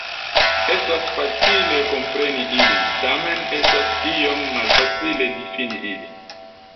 Estas facile kompreni ilin, tamen estas iom malfacile difini ilin.